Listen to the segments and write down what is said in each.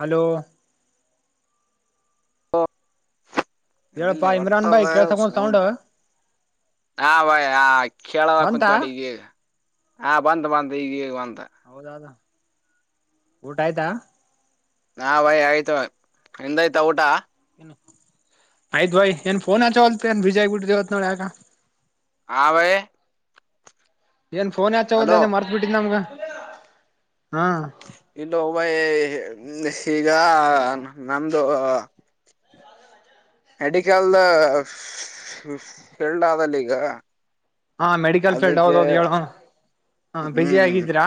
Hello ಲೋ ಎಂತಲ್ಲ ಹೇಳಪ್ಪಾ ಇಮ್ರಾನ್ ಬಾಯ್ ಒಟ್ಟದ ಕೇಳ್ಸಕೊಂಡ್ ಸೌಂಡ್ [unintelligible] ಹಾ ಭೈ ಹಾ ಕೇಳದಕುಂತ ಬಂತಾ ನೋಡ್ ಈಗ್ ಈಗ್. ಹಾ ಬಂತ ಬಂತ ಈಗ ಈಗ ಬಂತ. ಹೌದದ ಊಟ ಆಯ್ತಾ? ಹಾ ಭೈ ಆಯ್ತು ನೀಂದಾಯ್ತ ಊಟ? ಆಯ್ತ ಭೈ ಏನ್ ಫೋನ್ ಹಚ್ಚ್ವಲ್ತ ಏನ್ ಬ್ಯುಸಿ ಆಗಿಬಿಟ್ಟಿದಿ ಇವತ್ ನೋಡ್ ಯಾಗ್. ಆ ಭೈ ಏನ್ ಫೋನೇ ಹಚ್ಚವಲ್ಲಿ ಹಲೋ ಅಂದ ಮರ್ತ್ ಬಿಟ್ಟಿದ ನಮಗ ಹಾ ಇಲ್ಲೋ ಭೈ ಈಗ್ ನಮ್ದು ಎಡಿಕಲ್ದ ಫೀಲ್ಡ್ ಆದಲ್ಲ ಈಗ ಹಾ ಮೆಡಿಕಲ್ ಫೀಲ್ಡ್ ಅದಕ್ಕೆ ಹೌದೌದ ಹೇಳೋ ಹ ಹಾ ಬಿಜಿ ಆಗಿದೀರಾ?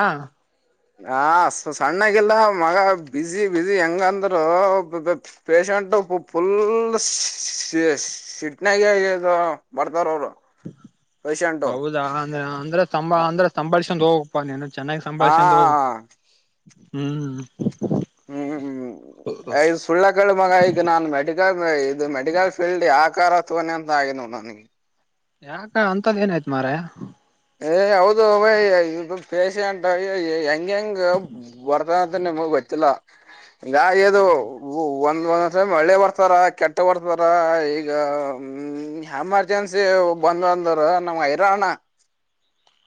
ಹ ಸಣ್ಣಗಲ್ಲ ಮಗ ಬ್ಯುಸಿ ಬ್ಯುಸಿ ಹೆಂಗಂದ್ರ. Patient full. ಸಿಟ್ನಾಗ ಇಲ್ಲಾ ಬರ್ತಾರ ಅವರು. ಪೇಶಂಟು ಹೌದಾ ಅಂದ್ರೆ ಅಂದ್ರೆ ಸಂಭ ಅಂದ್ರೆ ಸಂಭಾಳ್ಸೊಂಡ್ ಹ. ಅಪ್ಪ ನೀನು ಚೆನ್ನಾಗಿ ಆ ಸಂಭಾಳ್ಸಂಕೊಂಡ ಹೋಗ್ ಹ್ಮ್. ಹ್ಮ್ ಆಯ. ಸುಳ್ಳಕಳ ಮಗ ಈಗ ನಾನು ಮೆಡಿಕಲ್ ಇದು ಮೆಡಿಕಲ್ ಫೀಲ್ಡ್ ಯಕ್ಕಾರ್ ತೊಗೊಂಡ್ನಿ ಅಂತ ಆಗಿತ್ ನೋಡ್ ನನ್ಗೆ. ಯಾಕ ಅಂತದ್ ಏನಯ್ತು ಮಾರಯಾ. ಏ ಹೌದು ಇದು ಪೇಶಂಟ್ ಹೆಂಗ ಹೆಂಗ. ಬರ್ತಾವ್ ಅಂತ ನಿಮಗ ಗೊತ್ತ ಇಲ್ಲಾ ಹಿಂಗಾಗಿ ಇದು. ಒಂದ್ ಒಂದ್ ಮಳೆ ಬರ್ತಾರ ಕೆಟ್ಟ ಬರ್ತಾರ ಈಗ. ಹ್ಮ ಎಮರ್ಜೆನ್ಸಿ ಬಂದು ಅಂದ್ರ ನಮ್ಗ ಹೈರಾಣ.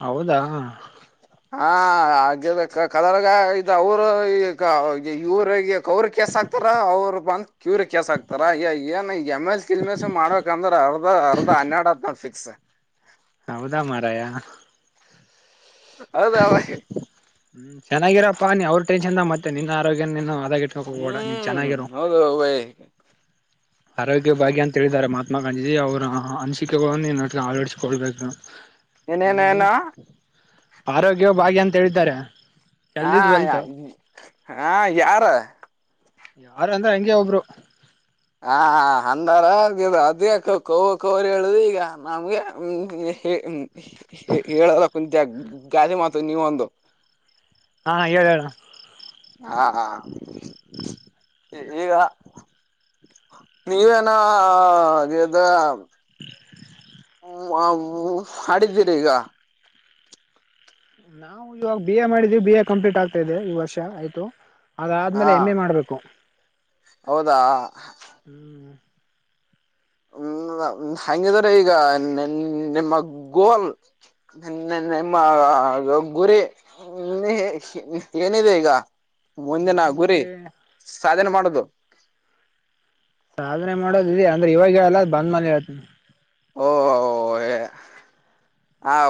ಹೌದಾ. ಹಾ ಆಬೇಕ ಕದ್ರಗ ಇದ ಅವರು ಈ ಇವ್ರಿಗೆ ಅವ್ರ ಕೆಸಕ್. ಅವರು ಬಂದ ಕ್ಯೂರ್ ಕೆಸ ಹಾಕ್ತಾರ ಏನ್. ಎಮ ಎಲ್ ತಿಲ್ಮಸ್ ಮಾಡ್ಬೇಕ ಅಂದ್ರೆ ಅರ್ಧ ಅರ್ಧ ಹನ್ಯಾಡ್ ಹ್ನಾ ಫಿಕ್ಸ್. ಹೌದಾ ಮಾರಾಯ. ಹೌದಾ ಬಾಯ್. ಹ್ಮ್ ಚೆನ್ನಾಗಿರಪ್ಪಾ ನೀ ಅವ್ರ ಟೆನ್ಶನ್ದಾಗ್ ಮತ್ತೆ ನಿನ್ ಆರೋಗ್ಯ ನೀನು ಹದ. ಹ್ಮ್ ಹೌದು ಬೈ. ಆರೋಗ್ಯ ಭಾಗ್ಯ ಅಂತ ಹೇಳಿದ್ದಾರೆ ಮಹಾತ್ಮ ಗಾಂಧೀಜಿ ಅವರ ಅನಿಸಿಕೆಗಳನ್ನು ಅಳಡಿಸಿಕೊಳ್ಬೇಕು. ಏನೇನೇನು ಆರೋಗ್ಯವ ಭಾಗ್ಯ ಅಂತ ಹೇಳಿದ್ದಾರೆ. ಹಾ ಹೆಲ್ತ್ ಇಸ್ ವೆಲ್ತ್ ಹಾ ಯಾರ. ಯಾರ ಅಂದ್ರೆ ಹಂಗೆ ಒಬ್ರು. ಹ ಅಂದಾರ ಅದ ಕೋ ಕವರಿ ಹೇಳುದು ಈಗ ನಮ್ಗೆ. ಹೇಳದ ಕುಂತ ಗಾದೆ ಮಾತು ನೀವ ಒಂದು. ಹಾ ಹಾ ಹೇಳ್ ಹೇಳ. ಹಾ ಹಾ ಈಗ. ನೀವೇನ ಇದ. [inaudible] ಮಾಡಿದಿರಿ ಈಗ. ನಾವು ಇವಾಗ ಬಿ ಎ ಮಾಡಿದ್ವಿ ಬಿ ಎ ಕಂಪ್ಲೀಟ್ ಆಗ್ತಾ ಇದೆ ಈ ವರ್ಷ ಆಯ್ತು. ಹಾ ಅದಾದಮೇಲೆ ಎಮ್ ಎ ಮಾಡಬೇಕು. ಹೌದಾ. ಹ್ಮ್. ಹ್ಮ ಹಂಗಿದಿದ್ದಾರೆ ಈಗ ನಿಮ್ಮ ಗೋಲ್. ನ ನಿಮ್ಮ ಗುರಿ ಏನಿದೆ ಈಗ. ಮುಂದಿನ ಗುರಿ ನಮ್ಗುರಿ ಸಾಧನೆ ಮಾಡೋದು. ಸಾಧನೆ ಮಾಡೋದ ಇದೆ ಅಂದ್ರೆ ಇವಾಗ ಹೇಳಲ್ಲ ಬಂದ್ ಮೇಲೆ ಹೇಳ್ತನಿ. ಓ [inaudible] ಹ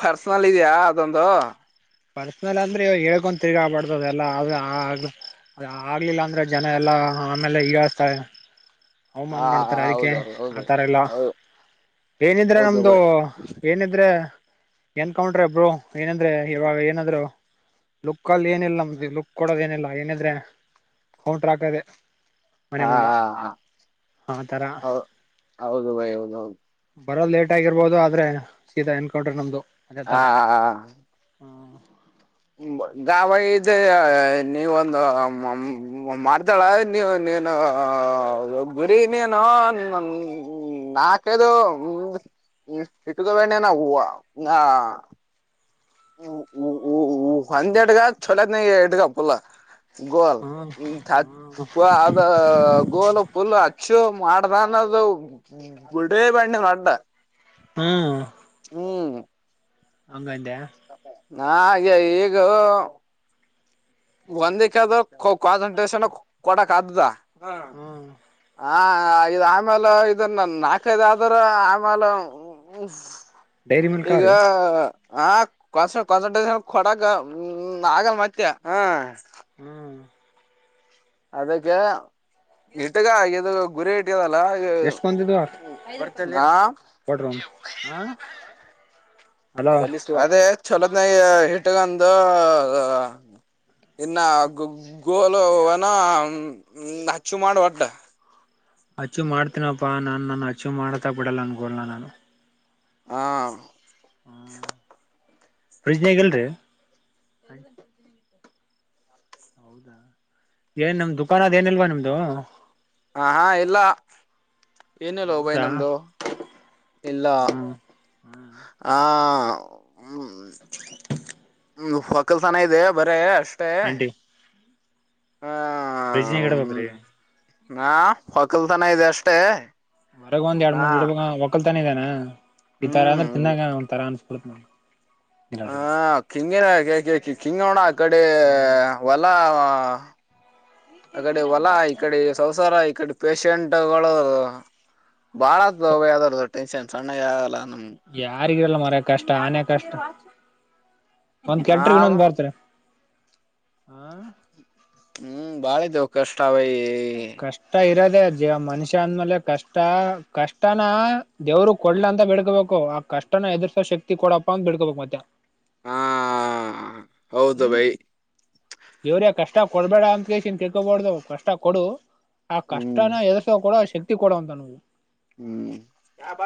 ಪರ್ಸನಲ್ ಇದೆಯಾ ಅದೊಂದು. ಪರ್ಸನಲ್ ಅಂದ್ರೆ ಇವಾಗ ಹೇಳ್ಕೊಂತ ತಿರ್ಗಾಬಾರದ ಎಲ್ಲ ಅ ಆ. ಅ ಆಗ್ಲಿಲ್ಲ ಅಂದ್ರೆ ಜನ ಎಲ್ಲಾ ಆಮೇಲೆ ಹಿಯಲ್ಸ್ತಾರೆ. ಹ ಅವಮಾನ ಮಾಡ್ತಾರೆ ಅದಕ್ಕೆ ಹೌದು ಹೌದು ಹೌದು ಆಥರ ಎಲ್ಲ. ಹೌದು ಏನಿದ್ರೆ ಹೌದು ನಮ್ದು ಬೈ ಏನಿದ್ರೆ. ಏನ್ ಕೌಂಟ್ರೆ ಬ್ರೋ ಏನಂದ್ರೆ ಇವಾಗ ಏನಾದ್ರು ಲುಕ್ ಅಲ್ಲಿ ಏನಿಲ್ಲ ನಮ್ದು ಲುಕ್ ಕೊಡೋದೆನಿಲ್ಲ ಏನಿದ್ರೆ ಕೌಂಟ್ರಾಕದೆ. ಹಾ ಹಾ ಹಾ ಹಾ ತರ ಹೌದು ಬೈ ಹೌದು ಹೌದು ಬರೋದ್ ಲೇಟ್ ಆಗಿರ್ಬೋದು ಆದ್ರೆ ಸೀದಾ ಎನ್ಕೌಂಟರ್ ನಮ್ದು. ಅದೇ ಆ ತರ ಹಾ ಹಾ [inaudible] ನಿಂಬ ಗಾವ ಇದ ಆ ನೀವೊಂದು ಮ ಮಾಡ್ತಾಳ ನೀವು ನೀನು ಗುರಿ ನೀನು ನನ್ ನಾಕೈದೊ ಹ್ ಇಟ್ಕೊಂಡಿನೇ ನಾ ಹುವ ಆ ಹ ಉ ಉ ಒಂದ್ರಡ್ಗ ಚಛೋತ್ನಾಗ್ ಇಟ್ಕ ಪುಲ್ಲು. ಗೋಲ್ ತ್ ಹ್ಮ ಪು ಅದ ಗೋಲು ಫುಲ್ ಅಚ್ಚು ಮಾಡ್ದ ಅನ್ನೋದು ಬಿುಡೇ ಬಣ್ಣಿ ನಡ್ಡ. ಹ್ಮ್ ಹ್ಮ್ ಹಂಗಂದ್ಯ ನಾ ಯ ಈಗೋ ಒಂದಕ್ಕೆದ ಕೊ ಕಾನ್ಸಂಟ್ರೇಷನ್ ಕ್ ಕೊಡಕ್ ಅದದ್ದ ಅ ಹ್ಮ್ ಹ ಇದ್ ಆಮೇಲೆ ಇದನ್ನ ನಾಲ್ಕೈದ ಆದ್ರ ಆಮೇಲೆ ಉಹ್ ಡೈರಿ ಮಿಲ್ಕ್ ಈಗ ಅವ್ರಿ ಹ ಕನ್ಸ ಕಾನ್ಸಂಟ್ರೇಷನ್ ಕೊಡಕ್ ಹ್ಮ್ ಆಗಲ್ ಮತ್ತೆ ಹ ಹ್ಮ್ ಅದಕ್ಕೆ ಇಟ್ಟಗ ಇದು ಗುರಿ ಇಟ್ ಡ್ತೀವಲ್ಲ ಅ ಎಷ್ಟ್ ಬಂದಿದ್ದು ಹಾ ಕೊಡ್ರಿ ಒಂದ್ ಹ ಹಲೋ ಸಲ್ಲಿಸ್ಟು ಅದೇ ಚಲೋತ್ನಾಗೇ ಇಟ್ಗಂದೂ ಇನ್ನು ಗ ಗೋಲುನ ಅಚ್ಚು ಮಾಡ್ ಒಟ್ಟ. ಅಚೀವ್ ಮಾಡ್ತೀನಪ್ಪಾ ನಾನ್ ನನ್ನ ಅಚೀವ್ ಮಾಡತಾ ಬಿಡಲ್ಲ ನನ್ ಗೋಲ್ ನ ನಾನು. ಹಾ ಫ್ರಿಜಿನಾಗಿಲ್ರಿ ಏನ್ ನಮ್ ದುಕಾನದೆನಿಲ್ವಾ ನಿಮ್ದು? ಅ ಹಾ ಎಲ್ಲ ಏನಿಲ್ವ ಬೈ ಹೌದಾ ನಮ್ದು. ಇಲ್ಲ ಹ್ಮ ಆ ಹ್ಮ ಹ್ಮ ಹೊಕಲ್ಸನ ಇದೆ ಬರೇ ಅಷ್ಟೇ. ಆಂಟಿ ಹಾ ಫ್ರಿಜ್ ನಾಗ್ ಇಡ್ಬೇಕ್ರೀ ನಾ ಹೊಕಲ್ತನ ಇದೆ ಅಷ್ಟೇ. ಹೊರಗ ಒಂದ್ ಎರಡ್ ಹಾ ಮೂರ್ ಇಡ್ಬ ಹೊಕ್ಕಲ್ತನ ಇದೆನ? ಈ ತರ ಅಂದ್ರೆ ಹ್ಮ್ ತಿನ್ನಾಗ ಒಂತರ ಅನ್ಸ್ಬಿಡತ್ ನೋಡು. ಹ ಕಿಂಗಿನ ಅ ಕಿ ಕಿ ಕಿಂಗೋಣ ಆ ಕಡಿ ಹೊಲಾ ಅ ಕಡೆ ಒಲಾ ಇಕಡೆ ಸಂಸಾರ ಈ ಕಡೆ ಪೆಷೆಂಟ್ಗಳು ಬಾಳತ್ [unintelligible] ಯಾರ್ದ ಟೆನ್ಷನ್. ಸಣ್ಣಗೆ ಆಯಲ್ಲ ನಮ್ ಯಾರಿಗಿರಲ್ಲ ಮರಯ ಕಷ್ಟ ಆನೆ ಕಷ್ಟ ಒಂದ್ ಹಾವ ಕೆಟ್ರಗನ್ನೊಂದ್ ಬರ್ತರಿ. ಹಾ ಹ್ಮ್ ಬಾಳಿದ್ದವ ಕಷ್ಟ ಬೈ ಕಷ್ಟ ಇರದೆ ಜೀವ ಮನುಷ್ಯ ಅಂದ್ಮೇಲೆ ಕಷ್ಟ ಕಷ್ಟನ ದೇವರು ಕೊಡ್ಲ ಅಂತ ಬೇಡ್ಕೋಬೇಕು ಆ ಕಷ್ಟನ ಎದುರ್ಸೋ ಶಕ್ತಿ ಕೊಡಪ್ಪ ಅಂತ್ ಬಿಡ್ಕೋಬೇಕ್ ಮತ್ತ. ಹಾ ಹೌದು ಬೈ ದೇವ್ರೆ ಕಷ್ಟ ಕೊಡ್ಬೇಡ ಅಂತಕೇಸಿನ್ ಕೇಳ್ಕೋಬಾರ್ದು ಕಷ್ಟ ಕೊಡು ಆ ಹ್ಮ್ ಕಷ್ಟನ ಎದುಸೋ ಕೂಡ ಶಕ್ತಿ ಕೊಡು ಅಂತನ್ [unintelligible] ಹ್ಮ್ ಯಾವ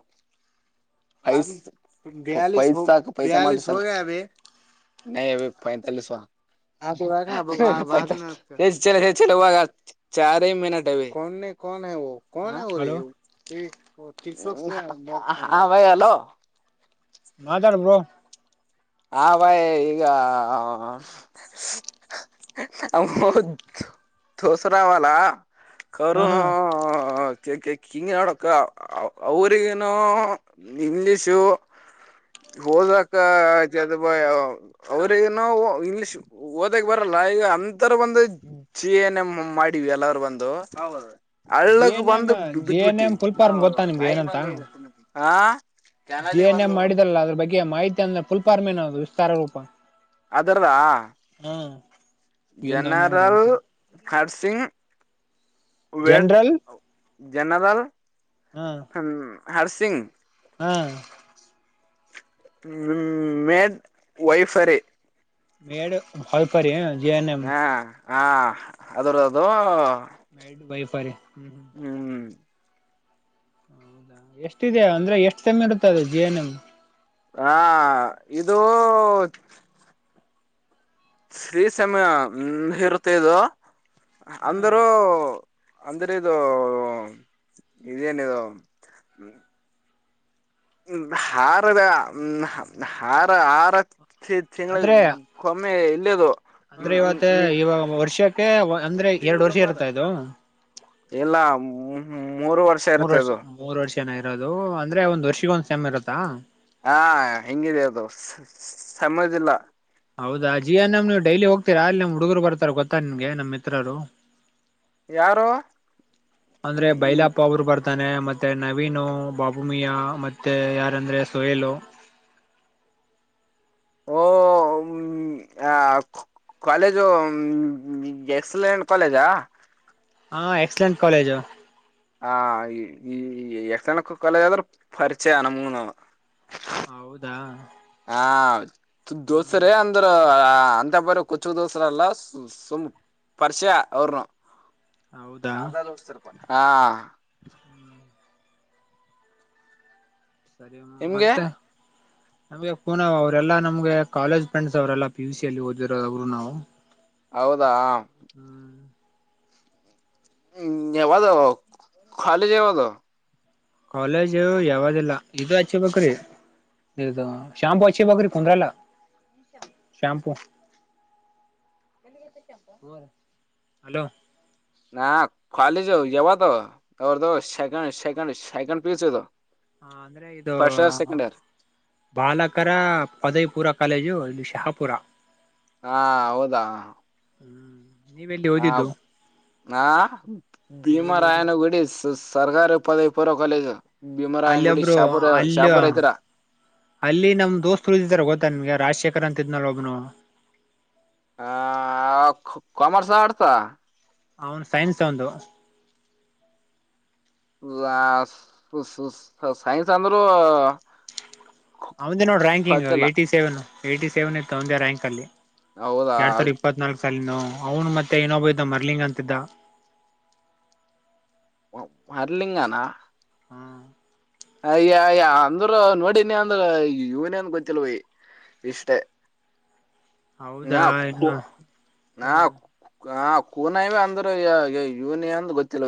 [unintelligible] ಐಸ್ ಪೈಸಾ ಹಾಕು ಪೈಸಾ [unintelligible] [unintelligible] [unintelligible] ಅಲೋ ಹಾ ಬೈ ಅಲೋ ಮಾತಾಡ್ ಬ್ರೋ ಆ ಬಾಯ್ ಈಗ [unintelligible] ಹಾ ಕರುಣಾ ಹಾ ಎಕ್ ಎಕ್ ಹಿಂಗೆ ನೋಡಕ ಅವರಿಗೇನೋ ಇಂಗ್ಲಿಷು ಹೋದಕ್ಕ [unintelligible] ಅವ್ರಿಗೇನೋವ್ ಇಂಗ್ಲಿಷ್. ಓದಕ್ಕೆ ಬರಲ್ಲ ಈಗ ಅಂತರ ಬಂದು [unintelligible] ಜಿ ಹಳ್ಳಕ್ ಎನ್ ಎಂ ಬಂದು ಜಿ ಬಿದ್ ಎನ್ ಎಂ ಬಿಟ್ಟಿವಿ ಫುಲ್ ಫಾರ್ಮ್ ಗೊತ್ತಾ ನಿಮ್ಗೆ ಏನಂತ [unintelligible] ಹ ಜಿ ಎನ್ ಮಂ ಮಾಡಿದ್ರಲ್ಲ ಅದ್ರ ಬಗ್ಗೆ ಮಾಹಿತಿ ಅಂದ್ರೆ ಫುಲ್ಫಾರ್ಮ್ ಏನು ಅದು ವಿಸ್ತಾರ ರೂಪ. ಅದ್ರದ ಹಾ ಏನ್ [unintelligible] ಹರ್ಸಿಂಗ್ ವೆಡ್ ಜನರಲ್ ಜನರಲ್ ಹಾ ಹ ಹರ್ಸಿಂಗ್ ಹ್ಮ ಮೇಡ್ ವೈಫರಿ. ಮೇಡ್ ಹೊಲ್ಪರಿ ಜಿ ಏನ್ ಎಂ ಹಾ ಹಾ ಅದರದು ಮೇಡ್ ವೈಫರಿ ಹ್ಮ್ ಹ್ಮ್ ಹ್ಮ್ ಎಷ್ಟ್ ಇದೆ ಅಂದ್ರೆ ಎಷ್ಟು ಸೆಮ್ ಇರುತ್ತದು ಜಿ ಎನ್ ಎಮ್. ಹಾ ಇದು ಶ್ರೀ ಸಮ್ಮ ಇರುತ್ತೆ ಅದು ಹ್ಮ್ ಅಂದರು ಅಂದ್ರೆ ಇದು ಇದೇನಿದು ಹಾರದ ಹ್ ಹಾರ ಆರ ತಿ ತಿಂಗ್ಳದ್ ಅಂದ್ರೆ ಕೊಮ್ಮೆ ಇಲ್ಲೇದು. ಅಂದ್ರೆ ಇವತ್ತ ಇವಾಗ ವರ್ಷಕ್ಕೆ ವ್ ಅಂದ್ರೆ ಎರಡು ವರ್ಷ ಇರ್ತಾ ಇದು. ಎಲ್ಲಾ ಉಹು ಮೂರು ವರ್ ಮೂರ್ ವರ್ಷ ಮೂರ್ ವರ್ಷನೇ ಇರೋದು ಅಂದ್ರೆ ಒಂದ್ ವರ್ಷಗ ಒಂದ್ ಸೆಮ್ ಇರುತ್ತಾ? ಹಾ ಹೆಂಗಿದೆ ಅದು ಸಮಯ್ದಿಲ್ಲ. ಹೌದಾ ಜಿ ಏನ್ ಎಮ್ಮು ಡೈಲಿ ಹೋಗ್ತೀರ ಅಲ್ಲಿ ನಮ್ ಹುಡುಗರು ಬರ್ತಾರ ಗೊತ್ತಾ ನಿನ್ಗೆ ನಮ್ ಮಿತ್ರರು. ಯಾರು ಅಂದ್ರೆ ಬೈಲಪ್ ಅವರು ಬರ್ ಈಗ ತಾನೆ ಮತ್ತೆ ನವೀನು ಬಾಬುಮಿಯಾ ಮತ್ತೆ ಯಾರಂದ್ರೆ ಸೊಹೇಲು. [unintelligible] ಹ ಕಾಲೇಜು ಎಕ್ಸಲೆಂಟ್ ಕಾಲೇಜಾ. ಹಾ ಎಕ್ಸಲೆಂಟ್ ಕಾಲೇಜು. ಆ ಎ ಎಕ್ಸಲೆಂಟ್ ಕಾಲೇಜ್ ಅಂದ್ರೆ ಪರಿಚಯ ನಮಗೂ. ಹೌದಾ. ಹಾ ಹ್ಮ್ ದೋಸ್ತರು ಅಂದ್ರ. ಅಂತ ಪರಿ ಕುಚುಕು ದೋಸ್ತರಲ್ಲ ಸುಮ್ನೆ ಪರಿಚಯ ಅವ್ರನು. ಹೌದಾ ಸಾದಾ ದೋಸ್ತರ ಪಾ. ಸರಿ ನಿಮ್ಗೆ ಮತ್ತೆ. ನಮಗೆ ಕುನಾವ್ ಅವ್ರರೆಲ್ಲಾ ನಮ್ಗೆ ಕಾಲೇಜ್ ಫ್ರೆಂಡ್ಸ್ ಅವರೆಲ್ಲ ಪಿ ಯು ಸಿಲ್ಲಿ ಓದಿರೋದ ಅವ್ರು ನಾವು. ಹೌದಾ. ಹ್ಮ್ ಹ ಯಾವದು ಕಾಲೇಜ್ ಯಾವದು. ಕಾಲೇಜು ಯಾವ್ದಿಲ್ಲ ಇದು ಹಚ್ಬೇಕ್ರಿ. ಇದು ಶಾಂಪೂ ಹಚ್ಕೋಬೇಕು ರೀ ಕುಂದ್ರಲ್ಲ. Shampoo hello. ನಾ ಕಾಲೇಜ್ ಯಾವದ ಯಾ ಸೆಕೆಂಡ್ ಸೆಕೆಂಡ್ ಸೆಕೆಂಡ್ ಪಿಯುಸಿದು. ಹ ಆದ್ರೆ ಇದು. ಬಾಲಕರ ಪದವಿಪುರ ಕಾಲೇಜು ಶಹಾಪುರ. ಹಾ ಹೌದಾ. ಹ್ಮ್. ನೀವೆಲ್ಲಿ ಹ ಓದಿದ್ದು ಹಾ ನೀವೆಲ್ಲಿ ಓದಿದ್ದು ಭೀಮಾರಾಯನಗುಡಿ ಸಗರ್. ಪದವಿಪೂರ್ವ ಕಾಲೇಜ್ ಭೀಮರಾಯನ ಅಲ್ಲಿ ಗುಡಿ ಒಬ್ರು ಶಹಾಪುರ್ ಅಲ್ಲಿ ಹತ್ತಿರ. ಅಲ್ಲಿ ನಮ್ ದೋಸ್ತರು ಇದಾರೆ ಗೊತ್ತೇನು ನಿಮಗೆ ರಾಜಶೇಖರ್ ಅಂತ ಇದ್ನಲ್ ಒಬ್ನು. ಆ ಕಾಮರ್ಸ್ ಮೋಡತ ಅವನ್ದು ಸೈನ್ಸ್ ಅವನ್ದು. [unintelligible] ಸೈನ್ಸ್ ಅಂದ್ರರು ಅವನದೇ ನೋಡ್ ranking eighty seven eighty seven ಇತ್ತು ಅವಂದೇ ರಾಕಿಂಗ್ ಅಲ್ಲಿ. ಹೌದಾ ಎರಡ್ ಸಾವಿರದ ಇಪ್ಪತ್ನಾಲ್ಕಕ್ ಸಾಲಿನ ಅವ್ನು ಮತ್ತೆ ಇಏೊಬ ಇದ್ದ ಮರ್ಲಿಂಗ ಅಂತಿದ್ದ. ಮರಲಿಂಗನಾ. ಹಾ. ಅಯ್ಯಯ ಅಂದ್ರ ನೋಡಿನಿ ಅಂದ್ರ ಇವನ ಅಂದ ಗೊತ್ತಿಲ್ವ ಇಷ್ಟೇ. ಹೌದಾ ನಾ ನ್ನು ಹ್ಮ. ಗಾ ಕೂನಇವಿ ಅಂದ್ರ ಯೂನಿ ಅಂದ ಗೊತ್ತಿಲ್ಲ.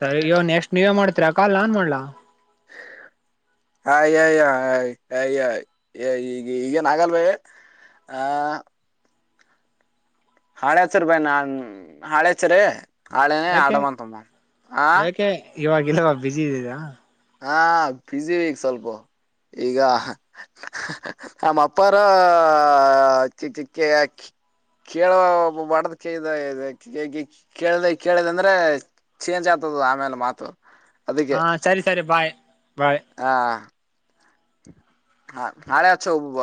ಸರಿ ಇವೋ ನೆಕ್ಸ್ಟ್ ನೀವೇ ಮಾಡ್ತತಿರಾ ಕಾಲಲ್ಲಾನ್ ಮಾಡಲಾ. [unintelligible] ಹಯ ಈ ಈಗೇನ್ ಆಗಲ್ವ. ಆ [unintelligible] ನಾಳೆ ಹಚ್ಚರಿ ಬಾಯಿ ನಾನ್ ನಾಳೆ ಹಚ್ಚರಿ ಆಡಮ್ ಮಂತ ಆ. ಇವಾಗಲ್ಲವ ಬ್ಯಸಿ ಇದಿರಾ. ಹಾ ಬಿಜಿ ಈಗ ಸ್ವಲ್ಪ ಈಗ. ನಮ್ಮ ಅಪ್ಪಾರ ಚಿ ಚಿಕ್ಕೆ ಕೆ ಕೇಳೋ ಬಡದ ಕ ಕೇಳ್ದ ಕೇಳ್ದ ಅಂದ್ರೆ. ಚೇಂಜ್ ಆಗ್ತದ ಆಮೇಲೆ ಮಾತು. ಹಾ ಸರಿ ಸರಿ ಬಾಯ್ ಬಾಯ್. ಹಾ. ಹಾ ನಾಳೆ. [unintelligible]